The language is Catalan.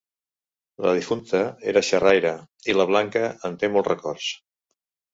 La difunta era xerraire i la Blanca en té molts records.